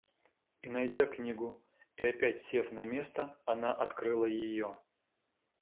И, найдя книгу и опять сев на место, она открыла ее.